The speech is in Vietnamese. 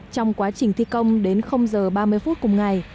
trong quá trình thi công đến giờ ba mươi phút cùng ngày